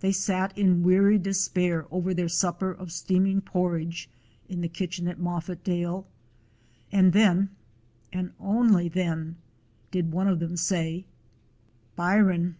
They sat in weary despair over their supper of steaming porridge in the kitchen at Moffatdale, and then, and only then, did one of them say: "Byron!